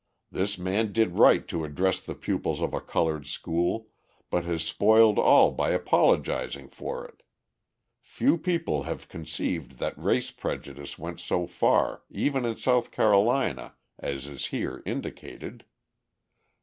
This man did right to address the pupils of a coloured school, but has spoiled all by apologising for it. Few people have conceived that race prejudice went so far, even in South Carolina, as is here indicated.